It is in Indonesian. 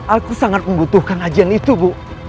aku sangat membutuhkan ajian itu bu